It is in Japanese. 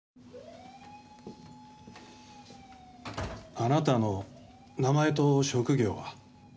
あなたの名前と職業は？